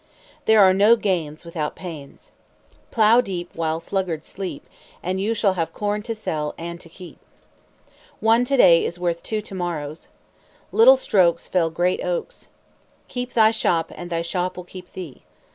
"There are no gains without pains." "Plow deep while sluggards sleep, And you shall have corn to sell and to keep." "One to day is worth two to morrows." "Little strokes fell great oaks." "Keep thy shop and thy shop will keep thee."